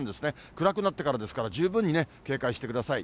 暗くなってからですから、十分に警戒してください。